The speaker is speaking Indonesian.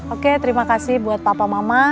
oke terima kasih buat papa mama